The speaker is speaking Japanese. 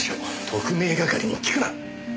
特命係に聞くな！